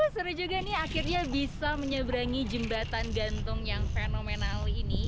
seru juga nih akhirnya bisa menyeberangi jembatan gantung yang fenomenal ini